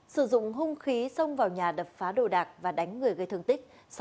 sử dụng hung khí xông vào nhà đập phá đồ đạc và đánh người gây thương tích